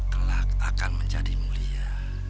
telah akan menjadi mulia